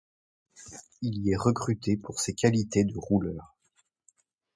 Il y est recruté pour ses qualités de rouleur.